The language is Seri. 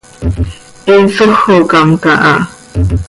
He sójocam caha.